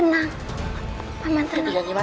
jangan lupa like share dan subscribe